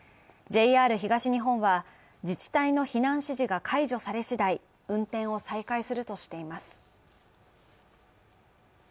ＪＲ東日本は、自治体の避難指示が解除され次第、運転を再開するとしています。